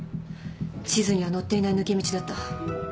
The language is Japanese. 地図には載っていない抜け道だった。